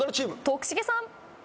徳重さん。